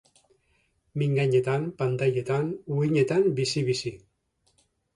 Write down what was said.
Mingainetan, pantailetan, uhinetan bizi-bizi.